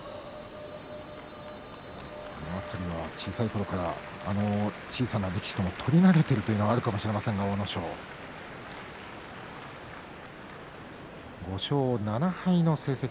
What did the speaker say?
この辺りは小さいころから小さな力士と取り慣れているということがあるかもしれません阿武咲、５勝７敗。